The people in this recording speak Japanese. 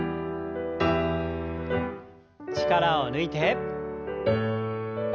力を抜いて。